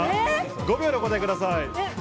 ５秒でお答えください。